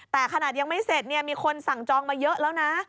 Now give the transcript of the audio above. แต่ขนาดยังไม่เสร็จมีคนสั่งจองมาเยอะแล้วนะ